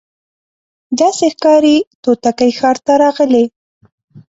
داسي ښکاري توتکۍ ښار ته راغلې